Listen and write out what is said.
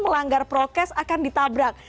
melanggar prokes akan ditabrak